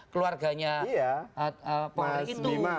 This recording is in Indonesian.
keluarganya polri itu